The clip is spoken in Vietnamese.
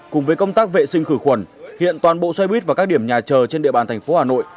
cùng với công tác vệ sinh khử khuẩn hiện toàn bộ xe buýt và các điểm nhà chờ trên địa bàn thành phố hà nội